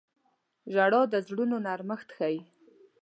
• ژړا د زړونو نرمښت ښيي.